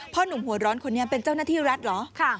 หนุ่มหัวร้อนคนนี้เป็นเจ้าหน้าที่รัฐเหรอ